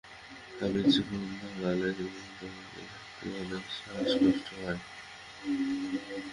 আমি কিছুক্ষণ দৌড়ালে বা সিঁড়ি বেয়ে উঠতে গেলে অনেক শ্বাসকষ্ট হয়।